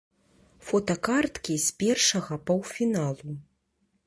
Фотакарткі з першага паўфіналу.